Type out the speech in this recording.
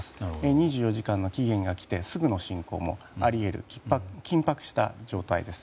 ２４時間の期限が来てすぐの侵攻もあり得る緊迫した状態です